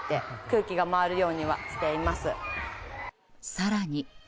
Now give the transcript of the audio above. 更に。